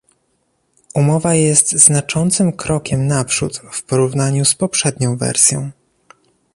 Umowa jest znaczącym krokiem naprzód w porównaniu z poprzednią wersją